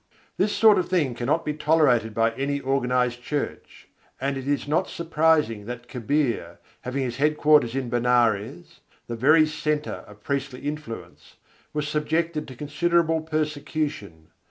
] This sort of thing cannot be tolerated by any organized church; and it is not surprising that Kabîr, having his head quarters in Benares, the very centre of priestly influence, was subjected to considerable persecution.